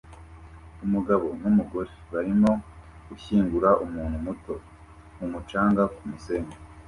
Umugabo numugore barimo gushyingura umuntu muto mumucanga kumusenyi